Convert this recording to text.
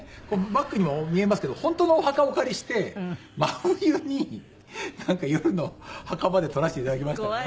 バックにも見えますけど本当のお墓をお借りして真冬になんか夜の墓場で撮らせていただきましたね。